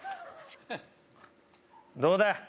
どうだ？